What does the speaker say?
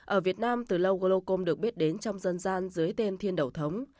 ở việt nam từ lâu glaucom được biết đến trong dân gian dưới tên thiên đậu thống